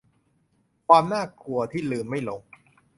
ความน่ากลัวที่ลืมไม่ลง